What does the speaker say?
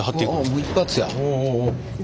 もう一発や。